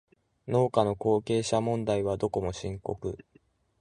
農家の後継者問題はどこも深刻